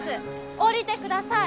下りてください！